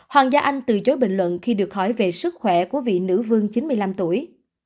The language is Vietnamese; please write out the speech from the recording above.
hoàng gia anh từ chối bình luận khi được hỏi về sức khỏe của vị nữ vương chín mươi năm tuổi